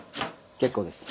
結構です。